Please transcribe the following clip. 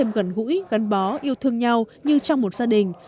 ngày tết cán bộ chiến sĩ thêm gần gũi gắn bó yêu thương nhau như trong một gia đình